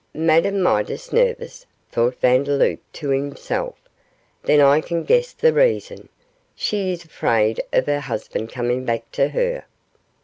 'Madame Midas nervous,' thought Vandeloup to himself; 'then I can guess the reason; she is afraid of her husband coming back to her.